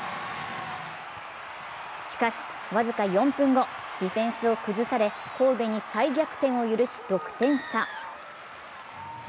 しかし僅か４分後、ディフェンスを崩され神戸に再逆転を許し６点差。